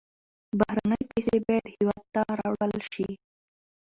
بهرنۍ پیسې باید هېواد ته راوړل شي.